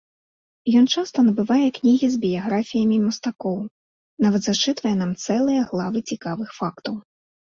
Ён часта набывае кнігі з біяграфіямі мастакоў, нават зачытвае нам цэлыя главы цікавых фактаў.